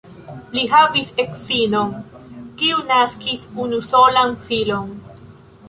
Li havis edzinon, kiu naskis unusolan filon.